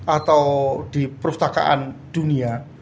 atau di perpustakaan dunia